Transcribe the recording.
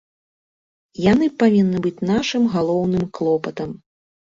Яны павінны быць нашым галоўным клопатам.